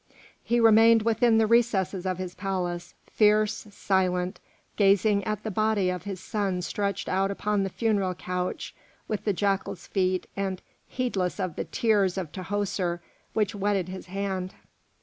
He remained within the recesses of his palace, fierce, silent, gazing at the body of his son stretched out upon the funeral couch with the jackals' feet, and heedless of the tears of Tahoser which wetted his hand.